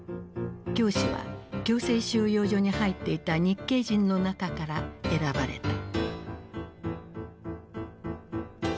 教師は強制収容所に入っていた日系人の中から選ばれた。